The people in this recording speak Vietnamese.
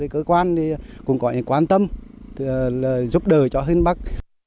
cơ quan cũng có quan tâm giúp đỡ cho hưng bắc